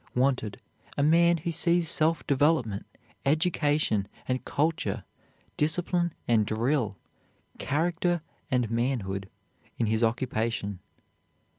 Wanted, a man who sees self development, education and culture, discipline and drill, character and manhood, in his occupation.